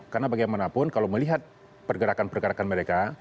karena bagaimanapun kalau melihat pergerakan pergerakan mereka